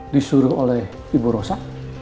disuruh oleh ibu rosa